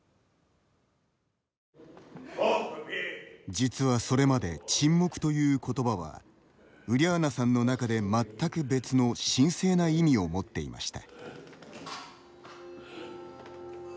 実はそれまで沈黙という言葉はウリャーナさんの中で全く別の神聖な意味を持っていました。